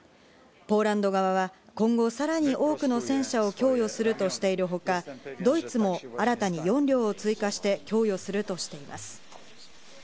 ポーランド側は今後さらに多くの戦車を供与するとしているほか、ドイツも新たに４両を追加して供与するとしています。